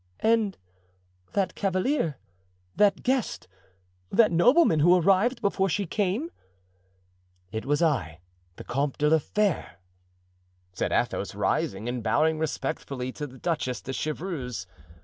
"And that cavalier, that guest, that nobleman who arrived before she came?" "It was I, the Comte de la Fere," said Athos, rising and bowing respectfully to the Duchess de Chevreuse.